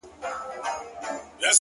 د هغه هر وخت د ښکلا خبر په لپه کي دي’